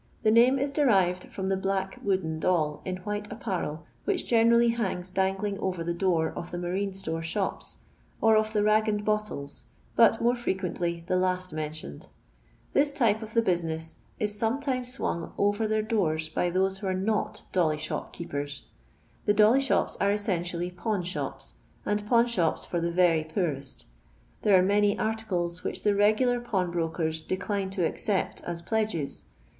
The name is derived from the black wooden doll, in white apparel, which generally hangs dangling over the door of the marine store shops, or of the " rag and bottles," but more fre quently tho last mentioned. This type of the busineu is sometimes swung abovo their doors faj those who are not dolly shop keepers. The dolly shops are essentially pawn shops, and pawn shops for the very poorest There are many arfcidci which the regular pawnbrokers decline to accept as pledges.